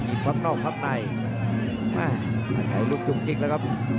อีกภาพนอกภาพในมาใช้ลูกจุ่งจิ๊กแล้วครับ